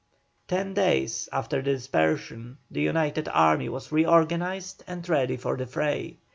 Ten days after the dispersion the united army was reorganized and ready for the fray.